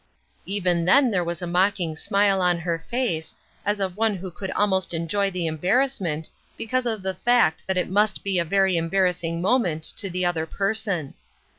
Even then there was a mocking smile on her face, as of one who could almost enjoy the embar rassment, because of the fact that it must be a very embarrassing moment to the other person.